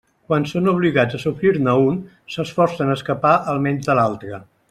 Quan són obligats a sofrir-ne un, s'esforcen a escapar almenys de l'altre.